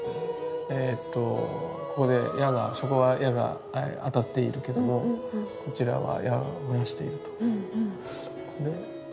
えとここで矢がそこは矢が当たっているけどもこちらは矢を燃やしていると。